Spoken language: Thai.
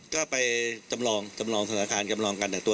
ก็ไปจำลองสถานการณ์จำลองการดักตัว